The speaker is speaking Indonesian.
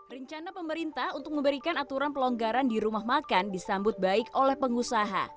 rencana pemerintah untuk memberikan aturan pelonggaran di rumah makan disambut baik oleh pengusaha